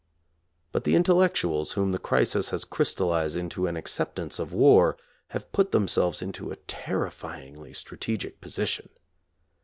But the intellectuals whom the crisis has crystallized into an acceptance of war have put themselves into a terrifyingly strategic position.